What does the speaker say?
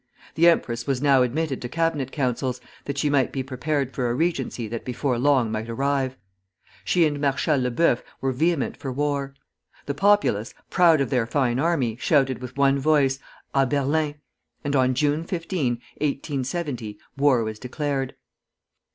The empress was now admitted to cabinet councils, that she might be prepared for a regency that before long might arrive. She and Marshal Le Buf were vehement for war. The populace, proud of their fine army, shouted with one voice, "A Berlin!" and on July 15, 1870, war was declared.